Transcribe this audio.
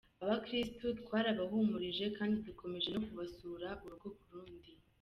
Abakirisitu twarabahumurije kandi dukomeje no kubasura urugo ku rundi.